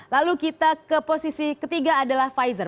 lalu kita ke posisi ketiga adalah pfizer